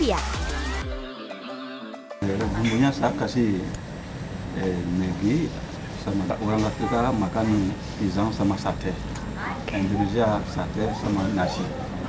ini saya kasih negi sama tak orang orang kita makan pisang sama sate indonesia sate sama nasi